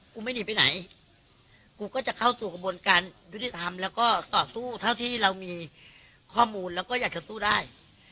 ไม่หนีไปไหนกูก็จะเข้าสู่กระบวนการยุติธรรมแล้วก็ต่อสู้เท่าที่เรามีข้อมูลแล้วก็อยากจะสู้ได้